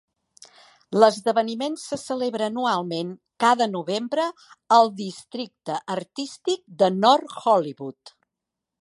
L'esdeveniment se celebra anualment cada novembre al districte artístic de North Hollywood.